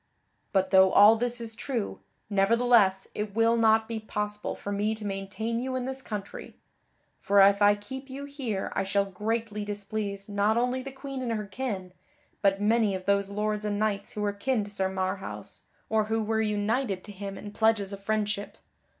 "But though all this is true, nevertheless it will not be possible for me to maintain you in this country, for if I keep you here I shall greatly displease not only the Queen and her kin, but many of those lords and knights who were kin to Sir Marhaus or who were united to him in pledges of friendship.